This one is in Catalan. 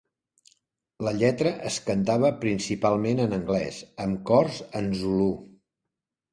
La lletra es cantava principalment en anglès, amb cors en zulú.